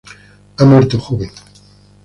Ha muerto joven.